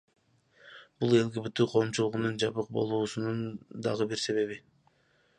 Бул ЛГБТ коомчулугунун жабык болуусунун дагы бир себеби.